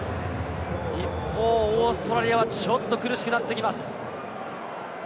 一方、オーストラリアはちょっと苦しくなってきます。